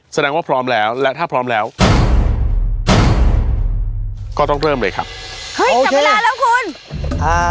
แสดงว่าพร้อมแล้วและถ้าพร้อมแล้วก็ต้องเริ่มเลยครับเฮ้ยจับเวลาแล้วคุณอ่า